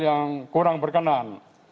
yang kurang berkenan